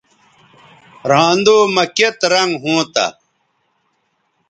رھاندو مہ کیئت رنگ ھونتہ